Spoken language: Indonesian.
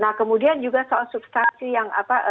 nah kemudian juga soal substansi yang apa